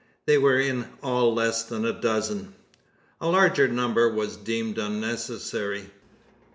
They were in all less than a dozen. A larger number was deemed unnecessary.